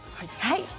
はい。